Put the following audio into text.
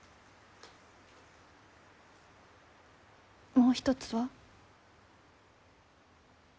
もう一つは？